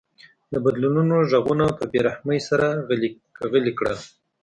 د بدلونونو غږونه په بې رحمۍ سره غلي کړل.